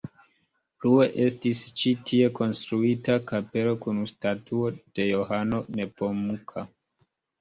Plue estis ĉi tie konstruita kapelo kun statuo de Johano Nepomuka.